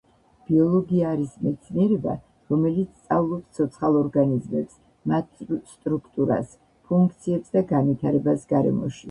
ბიოლოგია არის მეცნიერება, რომელიც სწავლობს ცოცხალ ორგანიზმებს, მათ სტრუქტურას, ფუნქციებს და განვითარებას გარემოში.